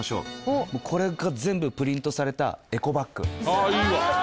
ああいいわ！